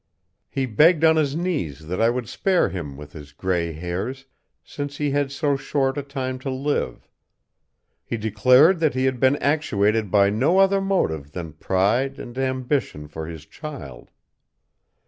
"He begged on his knees that I would spare him with his gray hairs, since he had so short a time to live. He declared that he had been actuated by no other motive than pride and ambition for his child.